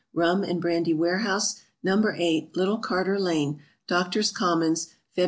Rum and Brandy Warehouse, No. 8, Little Carter lane, Doctor's Commons, Feb.